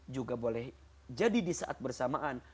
juga boleh jadi disaat bersamaan